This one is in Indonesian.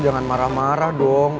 jangan marah marah dong